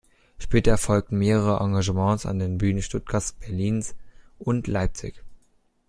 Später folgten mehrere Engagements an den Bühnen Stuttgarts, Berlins und Leipzig.